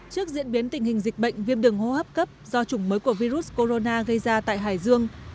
trước diễn biến tình hình dịch bệnh viêm đường hô hấp cấp do chủng mới của virus corona gây ra tại hải dương